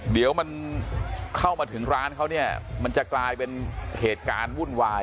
เดี๋ยวมันเข้ามาถึงร้านเขาเนี่ยมันจะกลายเป็นเหตุการณ์วุ่นวาย